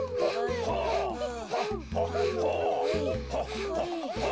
はあはあはあ。